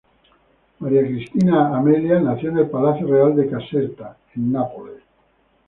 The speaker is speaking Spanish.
María Cristina Amelia nació en el Palacio Real de Caserta, en Nápoles.